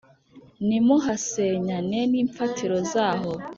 Nimuhasenyane n imfatiro zaho